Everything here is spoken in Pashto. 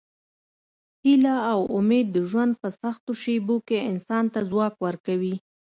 هیله او امید د ژوند په سختو شېبو کې انسان ته ځواک ورکوي.